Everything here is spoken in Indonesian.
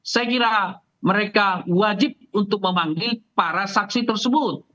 saya kira mereka wajib untuk memanggil para saksi tersebut